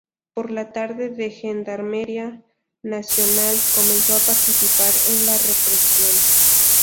Por la tarde la Gendarmería Nacional comenzó a participar en la represión.